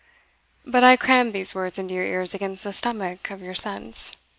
But I cram these words into your ears against the stomach of your sense."